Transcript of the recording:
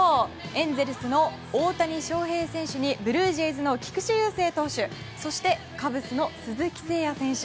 エンゼルスの大谷翔平選手にブルージェイズの菊池雄星投手そしてカブスの鈴木誠也選手。